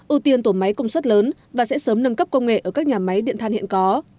ưu tiên tổ máy công suất lớn và sẽ sớm nâng cấp công nghệ ở các nhà máy điện than hiện có